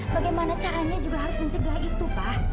bagaimana caranya juga harus mencegah itu pak